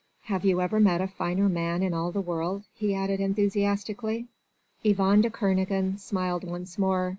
"Have you ever met a finer man in all the world?" he added enthusiastically. Yvonne de Kernogan smiled once more.